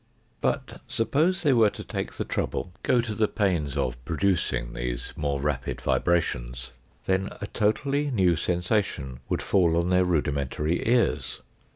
But suppose they were to take the trouble, go to the pains of producing these more rapid vibrations, then a totally new sensation would fall on their rudimentary ears.